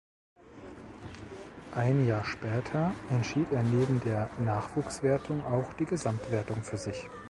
Ein Jahr später entschied er neben der Nachwuchswertung auch die Gesamtwertung für sich.